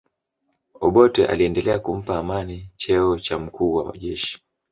obote aliendelea kumpa amin cheo cha mkuu wa jeshi